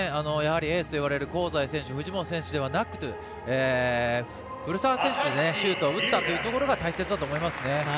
エースといわれる香西選手、藤本選手ではなく古澤選手がシュートを打ったというところが大切だと思います。